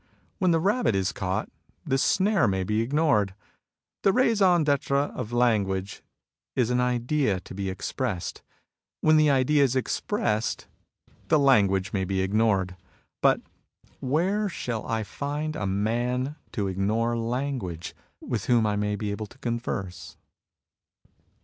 When the rabbit is caught, the snare may be ignored. The raison d^etre of language is an idea to be expressed. When the idea is expressed, the language may be ignored. But where shall I i 108 MUSINGS OF A CHINESE MYSTIC find a man to ignore language, with whom I may be able to converse